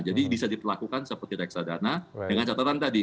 jadi bisa dilakukan seperti reksadana dengan catatan tadi